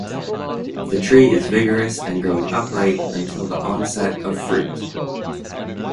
The tree is vigorous and grows upright until the onset of fruit.